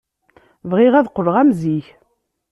Bɣiɣ ad qqleɣ am zik.